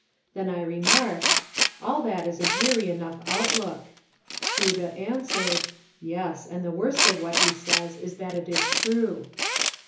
Then I remarked, ^^All that is a dreary enough outlook." Froude answered, ^^ Yes, and the worst of what he says is that it is true."